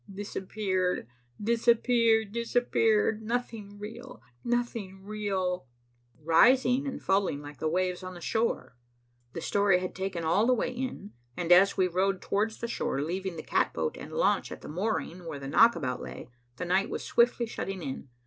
"Disappeared, disappeared, disappeared. Nothing real, nothing real," rising and falling like the waves on the shore. The story had taken all the way in, and as we rowed towards shore, leaving the catboat and launch at the mooring where the knockabout lay, the night was swiftly shutting in.